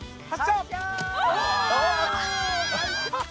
お！